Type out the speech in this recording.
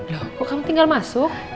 loh kok kamu tinggal masuk